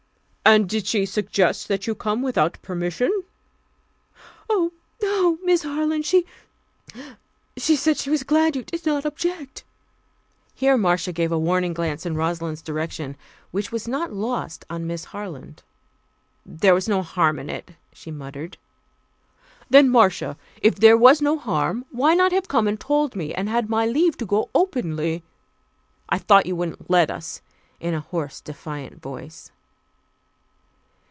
"And did she suggest that you come without permission?" "Oh, no. Miss Harland. She she said she was glad you did not object " Here Marcia gave a warning glance in Rosalind's direction, which was not lost on Miss Harland. "There was no harm in it," she muttered. "Then, Marcia, if there was no harm, why not have come and told me, and had my leave to go openly?" "I thought you wouldn't let us," in a hoarse, defiant voice.